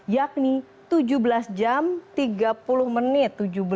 yakni tujuh belas jam tiga puluh menit